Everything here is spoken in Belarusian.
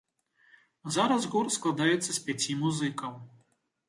Зараз гурт складаецца з пяці музыкаў.